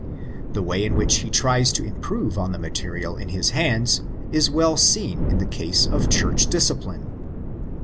The way in which he tries to improve on the material in his hands is well seen in the case of Church discipline.